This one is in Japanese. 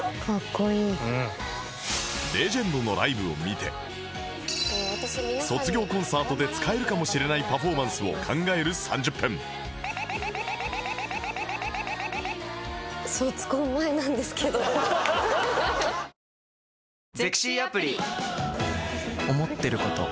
レジェンドのライブを見て卒業コンサートで使えるかもしれないパフォーマンスを考える３０分というわけで今回最初の企画参りたいと思います。